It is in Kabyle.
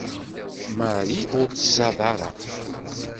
Marie ur tzad ara.